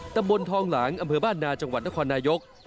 ตำบลทองหลางอำเภอบ้านนาจังหวัดนครนายก